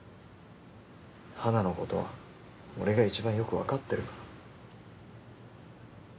花の事は俺が一番よくわかってるから。